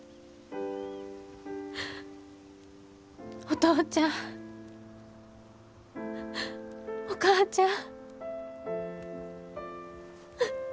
お父ちゃんお母ちゃん。